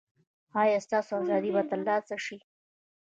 ایا ستاسو ازادي به ترلاسه شي؟